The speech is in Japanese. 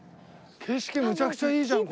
景色めちゃくちゃいいじゃん！